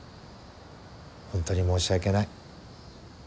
本当に申し訳ない。